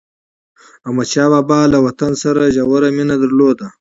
احمدشاه بابا له وطن سره ژوره مینه درلوده.